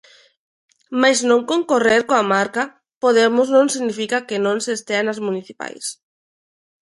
Mais non concorrer coa marca Podemos non significa que non se estea nas municipais.